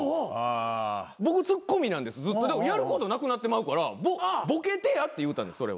僕ツッコミなんですやることなくなってまうからボケてやって言うたんですそれは。